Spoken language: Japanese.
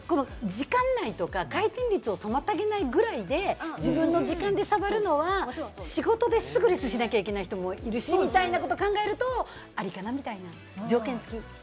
時間内とか回転率を妨げないぐらいで自分の時間でさわるのは仕事ですぐレスしなきゃいけない人もいると思うと、ありかなみたいな、条件付き。